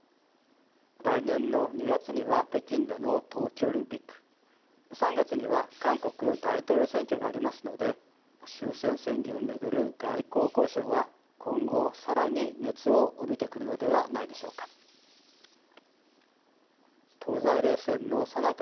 来年の２月には北京での冬季オリンピック３月には韓国大統領選挙がありますので終戦宣言を巡る外交交渉は今後、さらに熱を帯びてくるのではないでしょうか。